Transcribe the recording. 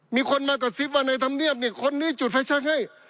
มีคนมาก็ซิบว่าในธรรมเนียบคนนี้จุดไฟชักให้